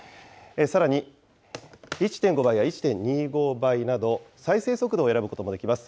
さらに１．５倍や１．２５倍など、再生速度を選ぶこともできます。